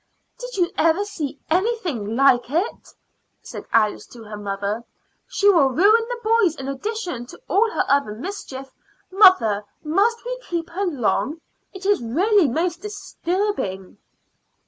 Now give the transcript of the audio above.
"Did you ever see anything like it?" said Alice to her mother. "She will ruin the boys in addition to all her other mischief. Mother, must we keep her long? It is really most disturbing."